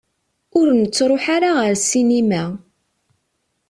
Ur nettruḥ ara ɣer ssinima.